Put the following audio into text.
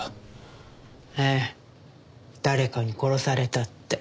ええ誰かに殺されたって。